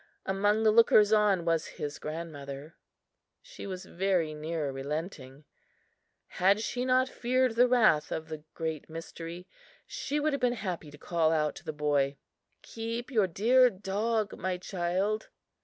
Among the lookers on was his grandmother. She was very near relenting. Had she not feared the wrath of the Great Mystery, she would have been happy to call out to the boy: "Keep your dear dog, my child!"